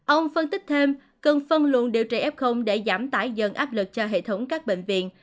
ông phân tích thêm cần phân luận điều trị f để giảm tải dần áp lực cho hệ thống các bệnh viện